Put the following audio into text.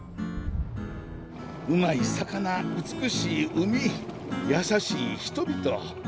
うまい魚美しい海優しい人々。